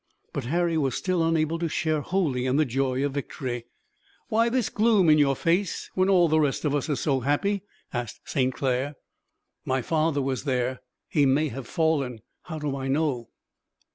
But Harry was still unable to share wholly in the joy of victory. "Why this gloom in your face, when all the rest of us are so happy?" asked St. Clair. "My father was there. He may have fallen. How do I know?"